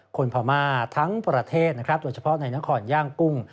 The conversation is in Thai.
คนพามาทั้งประเทศตัวเฉพาะในนครย่างกุ้ง